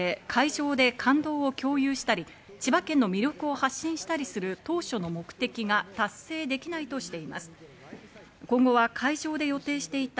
理由については感染が収まらない中で会場で感動を共有したり、千葉県の魅力を発信したりする当初の目的が達成できないとしています。